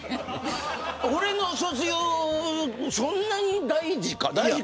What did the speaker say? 俺の卒業そんなに大事か。